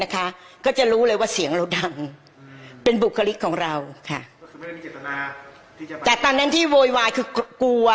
ค่ะก็คือไม่ได้มีเจ็บตนาที่จะแต่ตอนนั้นที่โวยวายคือกลัว